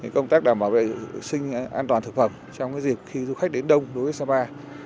công tác đảm bảo vệ sinh an toàn thực phẩm trong dịp khi du khách đến đông đối với sapa